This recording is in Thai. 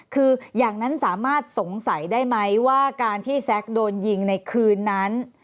คืออย่างนั้นสามารถสงสัยได้ไหมว่าการที่แซ็กโดนยิงในคืนนั้น